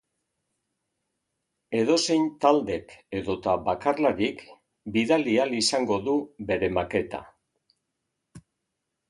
Edozein taldek edota bakarlarik bidali ahal izango du bere maketa.